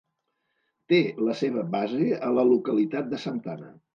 Té la seva base a la localitat de Santana.